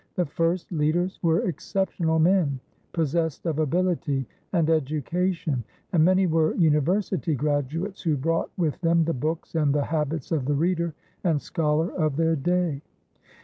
The first leaders were exceptional men, possessed of ability and education, and many were university graduates, who brought with them the books and the habits of the reader and scholar of their day.